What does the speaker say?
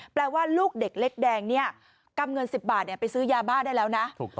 ว่าลูกเด็กเล็กแดงเนี่ยกำเงิน๑๐บาทไปซื้อยาบ้าได้แล้วนะ